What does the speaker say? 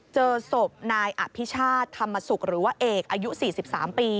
เจอศพนายอภิชาติธรรมสุขหรือว่าเอกอายุ๔๓ปี